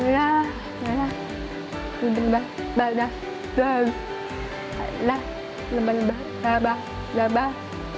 kami memiliki kemampuan untuk mendapatkan kemampuan